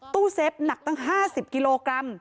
เซฟหนักตั้ง๕๐กิโลกรัม